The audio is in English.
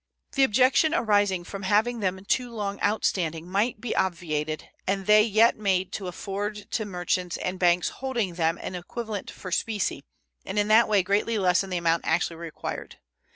The objection arising from having them too long outstanding might be obviated and they yet made to afford to merchants and banks holding them an equivalent for specie, and in that way greatly lessen the amount actually required.